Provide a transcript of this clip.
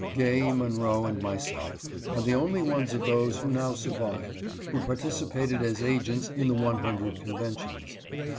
Gay, Monroe, and myself are the only ones of those who now survive who participated as agents in the one hundred conventions.